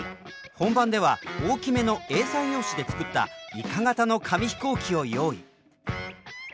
本番では大きめのＡ３用紙で作ったイカ型の紙飛行機を用意。